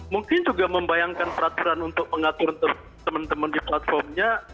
mungkin juga membayangkan peraturan untuk pengatur teman teman di platformnya